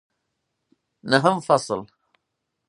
نهم فصل